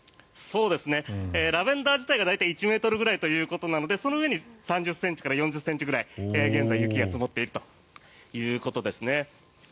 ラベンダー自体が大体１ｍぐらいということなのでその上に３０ｃｍから４０ｃｍぐらい現在、雪が積もっているということですね。